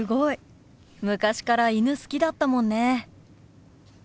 昔から犬好きだったもんね。